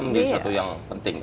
menjadi satu yang penting